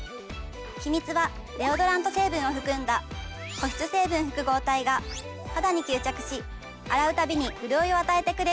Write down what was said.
秘密はデオドラント成分を含んだ保湿成分複合体が肌に吸着し洗うたびに潤いを与えてくれるんです。